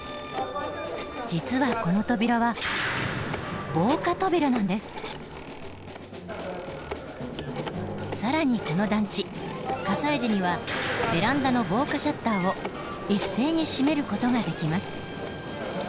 実はこの扉は更にこの団地火災時にはベランダの防火シャッターを一斉に閉めることができます。